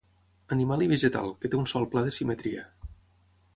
Animal i vegetal, que té un sol pla de simetria.